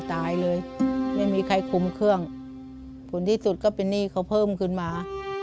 ตายเลยไม่มีใครคุมเครื่องผลที่สุดก็เป็นหนี้เขาเพิ่มขึ้นมา